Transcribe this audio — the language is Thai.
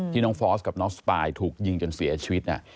น้องฟอสกับน้องสปายถูกยิงจนเสียชีวิต